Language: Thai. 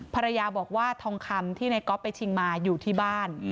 ภรรยาบอกว่าทองคำที่ในก๊อฟไปชิงมาอยู่ที่บ้าน